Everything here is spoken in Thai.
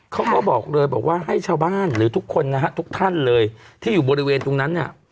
เขาบอกเลยบอกว่าให้ชาวบ้านหรือทุกคนนะฮะทุกท่านเลยที่อยู่บริเวณตรงนั้นเนี่ย